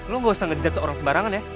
lo gak usah ngejudge seorang sebarangan ya